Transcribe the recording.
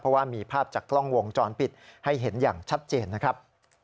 เพราะว่ามีภาพจากกล้องวงจรปิดให้เห็นอย่างชัดเจนนะครับ